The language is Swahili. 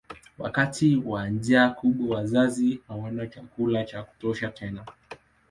Wakati wa njaa kubwa wazazi hawana chakula cha kutosha tena.